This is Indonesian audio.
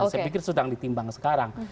saya pikir sedang ditimbang sekarang